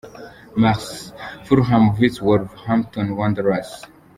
Mar, Fulham vs Wolverhampton Wanderers.